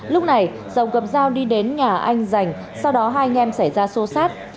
lúc này giàu gặp giàu đi đến nhà anh giành sau đó hai anh em xảy ra sô sát